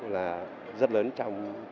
là rất lớn trong bản thân tôi